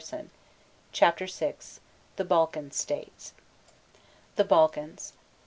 I, No. 4. CHAPTER VI THE BALKAN STATES THE BALKANS.